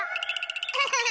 アハハハ！